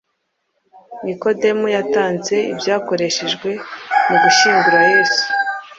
Nikodemu yatanze ibyakoreshejwe mu gushyingura Yesu.